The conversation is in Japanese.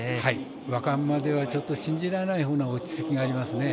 若馬ではちょっと信じられないふうな落ち着きがありますね。